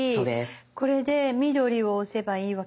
これで緑を押せばいいわけですね。